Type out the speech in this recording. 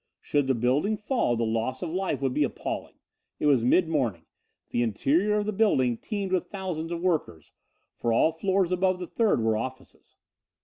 Should the building fall the loss of life would be appalling. It was mid morning. The interior of the building teemed with thousands of workers, for all floors above the third were offices.